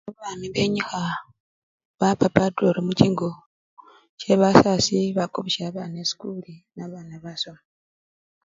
Babami benyikha bapa patrolo muchingo che basasi bakobosya babana esikuli, babana basoma.